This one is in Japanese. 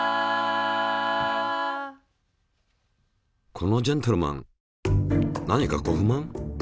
このジェントルマン何かご不満？